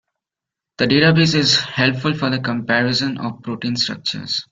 The database is helpful for the comparison of protein structures.